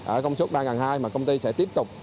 ở công suất ba hai trăm linh mà công ty sẽ tiếp tục